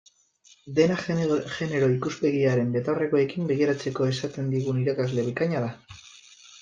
Dena genero ikuspegiaren betaurrekoekin begiratzeko esaten digun irakasle bikaina da.